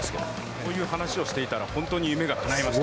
そういう話をしていたら、本当に夢がかないました。